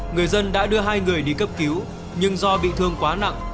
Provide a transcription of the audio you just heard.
người dân đã đưa hai người đi cấp cứu nhưng do bị thương quá nặng